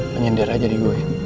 penyender aja di gue